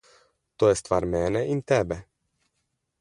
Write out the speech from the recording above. To je stvar mene in tebe.